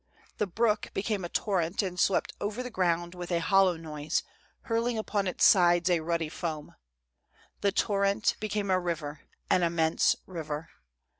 The brook became a torrent and swept over the ground with a hollow noise, hurling upon its sides a ruddy foam. The torrent became a river, an immense river.